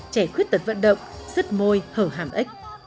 trẻ khuyết tật vận động rất môi hở hàm ếch